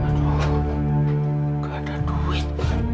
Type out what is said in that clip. aduh gak ada duit